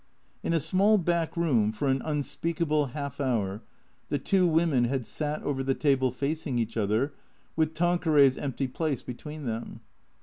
In a small backroom, for an unspeakable half hour, the two women had sat over the table facing each other, with Tan queray's empty place between them.